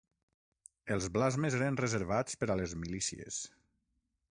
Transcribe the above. Els blasmes eren reservats per a les milícies.